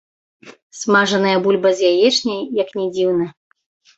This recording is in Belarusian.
Смажаная бульба з яечняй, як ні дзіўна.